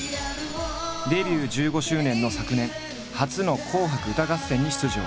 デビュー１５周年の昨年初の「紅白歌合戦」に出場。